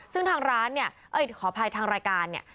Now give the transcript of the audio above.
ซึ่งทางร้านเนี่ยเอ้ยขออภัยทางรายการเนี่ย